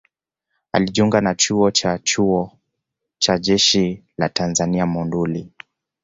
Alijiunga na Chuo cha Chuo cha Jeshi la Tanzania Monduli